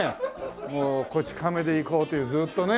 もう『こち亀』でいこうとずっとね。